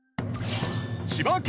千葉県